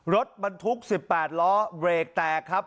รถบรรทุก๑๘ล้อเบรกแตกครับ